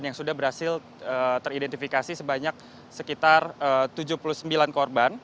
yang sudah berhasil teridentifikasi sebanyak sekitar tujuh puluh sembilan korban